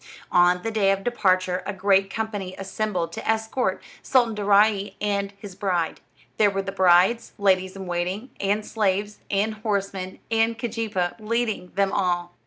On the day of the departure a great company assembled to escort Sultan Daaraaee and his bride. There were the bride's ladies in waiting, and slaves, and horsemen, and Keejeepaa leading them all.